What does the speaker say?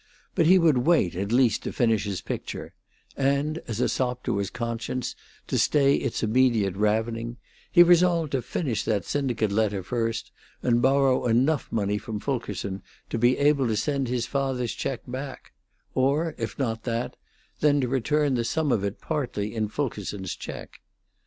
But he would wait, at least, to finish his picture; and as a sop to his conscience, to stay its immediate ravening, he resolved to finish that syndicate letter first, and borrow enough money from Fulkerson to be able to send his father's check back; or, if not that, then to return the sum of it partly in Fulkerson's check.